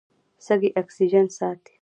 سږي اکسیجن ساتي.